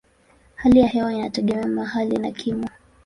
Hali ya hewa inategemea mahali na kimo.